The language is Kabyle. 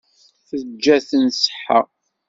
Teǧǧa-ten ṣṣeḥḥa.